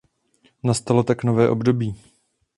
Nastalo tak nové období.